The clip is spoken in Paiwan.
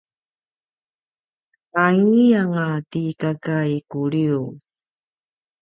aiyanga ti kaka i Kuliu